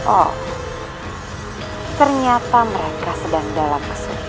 oh ternyata mereka sedang dalam kesulitan